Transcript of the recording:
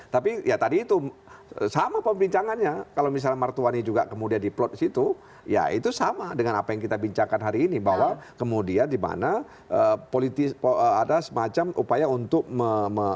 tapi ya tadi itu sama pembincangannya kalau misalnya martuani juga kemudian diplot di situ ya itu sama dengan apa yang kita bincangkan hari ini bahwa kemudian di mana ada semacam upaya untuk